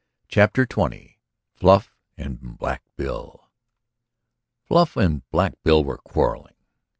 CHAPTER XX FLUFF AND BLACK BILL Fluff and Black Bill were quarrelling.